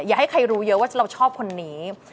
ให้ใครรู้เยอะว่าเราชอบคนนี้